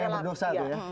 tiga yang berdosa itu ya